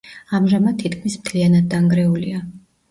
ამჟამად თითქმის მთლიანად დანგრეულია.